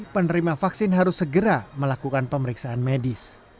penerima vaksin harus segera melakukan pemeriksaan medis